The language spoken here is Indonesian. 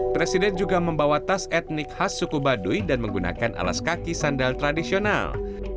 presiden juga membawa tas etnik khas suku baduy dan menggunakan alas kaki sandal tradisional